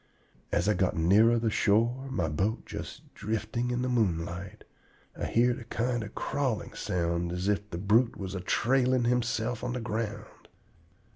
As I got nearer the shore, my boat just drifting in the moonlight, I heerd a kind of crawling sound as if the brute was a trailing himself on the ground.